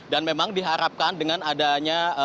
dan memang diharapkan dengan adanya